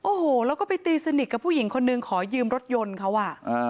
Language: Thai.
โอ้โหแล้วก็ไปตีสนิทกับผู้หญิงคนนึงขอยืมรถยนต์เขาอ่ะ